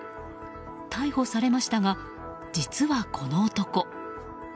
逮捕されましたが、実はこの男。